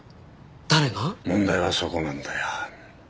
問題はそこなんだよ